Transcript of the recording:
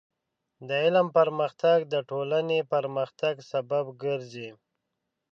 د علم پرمختګ د ټولنې پرمختګ سبب ګرځي.